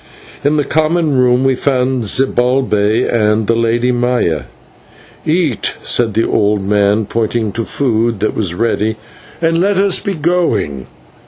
In the common room we found Zibalbay and the Lady Maya. "Eat," said the old man, pointing to food that was ready, "and let us be going."